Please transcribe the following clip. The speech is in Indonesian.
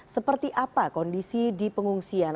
seperti apa kondisi di pengungsian